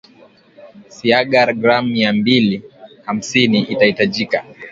siagi gram mia mbili hamsini itahitajika